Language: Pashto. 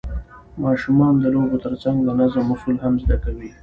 ماشومان د لوبو ترڅنګ د نظم اصول هم زده کوي